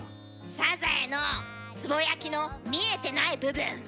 サザエのつぼ焼きの見えてない部分。